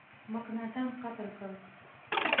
مکناټن قتل کړ.